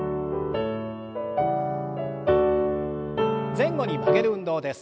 前後に曲げる運動です。